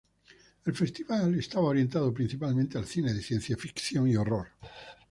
El festival estaba orientado principalmente al cine de ciencia ficción y horror.